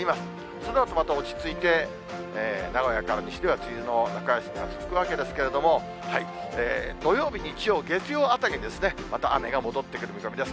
そのあとまた落ち着いて、名古屋から西では、梅雨の中休みが続くわけですけれども、土曜日、日曜、月曜あたりですね、また雨が戻ってくる見込みです。